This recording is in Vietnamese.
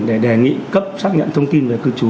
để đề nghị cấp xác nhận thông tin về cư trú